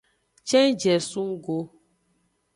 Cenjie sun go.